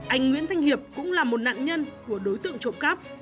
anh nguyễn thanh hiệp cũng là một nạn nhân của đối tượng trộm cắp